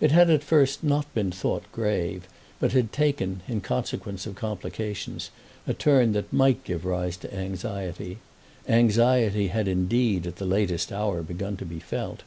It had at first not been thought grave, but had taken, in consequence of complications, a turn that might give rise to anxiety. Anxiety had indeed at the latest hour begun to be felt.